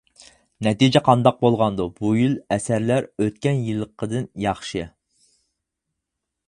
نەتىجە قانداق بولغاندۇ؟ بۇ يىل ئەسەرلەر ئۆتكەن يىلقىدىن ياخشى.